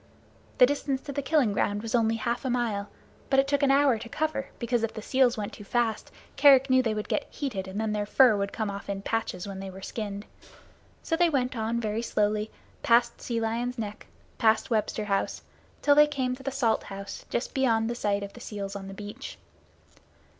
The distance to the killing grounds was only half a mile, but it took an hour to cover, because if the seals went too fast Kerick knew that they would get heated and then their fur would come off in patches when they were skinned. So they went on very slowly, past Sea Lion's Neck, past Webster House, till they came to the Salt House just beyond the sight of the seals on the beach.